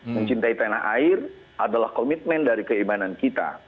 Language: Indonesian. mencintai tanah air adalah komitmen dari keimanan kita